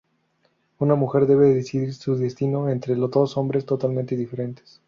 Una mujer debe decidir su destino entre dos hombres totalmente diferentes.